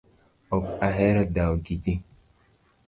Ok ahero dhao gi ji